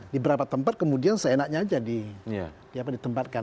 di beberapa tempat kemudian seenaknya aja ditempatkan